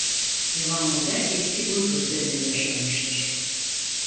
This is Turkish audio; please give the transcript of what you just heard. Devamında Eski Uygur dönemi yaşanmıştır.